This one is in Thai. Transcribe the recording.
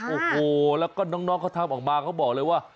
โอ้โหแล้วก็น้องเขาทำออกมาเขาบอกเลยว่า